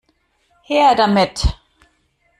Her damit!